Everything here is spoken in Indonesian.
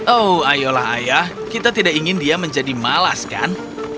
oh ayolah ayah kita tidak ingin dia menjadi malas kan